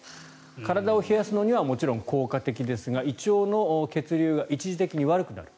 体を冷やすのにはもちろん効果的ですが胃腸の血流が一時的に悪くなる。